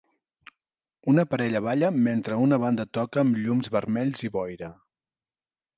Una parella balla mentre una banda toca amb llums vermells i boira.